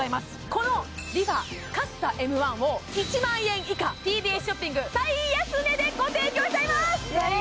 このＲｅＦａＣＡＸＡＭ１を１万円以下ＴＢＳショッピング最安値でご提供しちゃいます